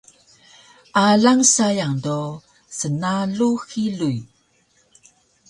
Alang sayang do snalu xiluy